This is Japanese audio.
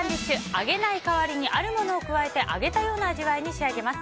揚げない代わりにあるものを加えて揚げたような味わいに仕上げます。